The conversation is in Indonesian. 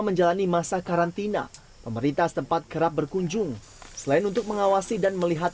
menjalani masa karantina pemerintah setempat kerap berkunjung selain untuk mengawasi dan melihat